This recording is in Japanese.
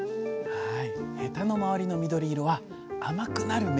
はい。